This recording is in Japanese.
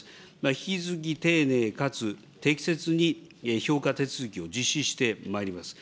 引き続き丁寧かつ適切に評価手続きを実施してまいります。